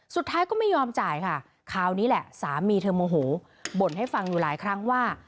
สุดท้ายก็ไม่ยอมจ่ายค่ะคราวนี้แหละสามีเธอโมโหบ่นให้ฟังอยู่หลายครั้งว่า